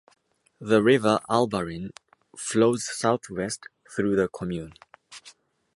The river Albarine flows southwest through the commune.